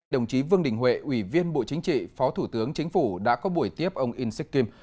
đồng chí vương đình huệ ủy viên bộ chính trị phó thủ tướng chính phủ đã có buổi tiếp ông in sik kim